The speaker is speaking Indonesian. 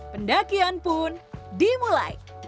pendakian pun dimulai